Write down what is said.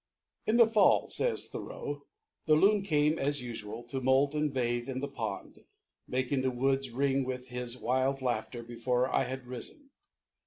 "In the fall," says Thoreau, "the Loon came, as usual, to moult and bathe in the pond, making the woods ring with his wild laughter before I had risen.